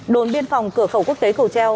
đồn biên phòng cửa khẩu quốc tế cầu treo